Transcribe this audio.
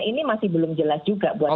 ini masih belum jelas juga buat